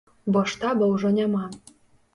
Бо штаба ўжо няма.